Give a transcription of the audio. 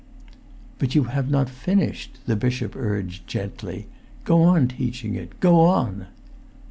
"But you have not finished," the bishop urged, gently. "Go on teaching it—go on."